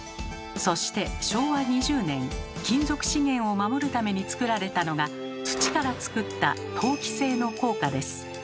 そして昭和２０年金属資源を守るためにつくられたのが土からつくった陶器製の硬貨です。